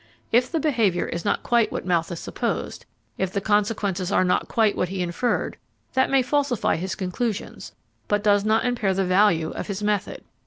If the behaviour is not quite what Malthus supposed, if the consequences are not quite what he inferred, that may falsify his conclusions, but does not impair the value of his method.